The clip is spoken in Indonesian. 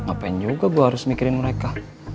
apa yang juga saya harus memikirkan mereka